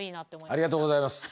ありがとうございます。